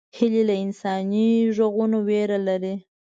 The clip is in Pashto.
هیلۍ له انساني غږونو ویره لري